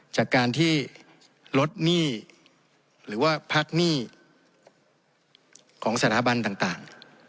จากการที่ลดหนี้หรือว่าพักหนี้ของสถาบันต่าง